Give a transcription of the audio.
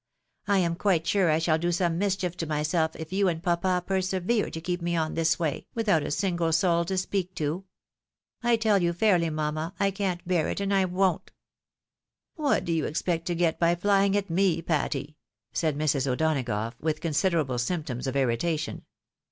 I am quite sure I shall do some mischief to myself if you and papa persevere to keep me on in this way, without a single soul to speak to. I tell you fairly, mamma, I can't bear it, and I won't." " What do you expect to get by flying at me, Patty? " said Mrs. O'Donagough, with considerable symptoms of irritation.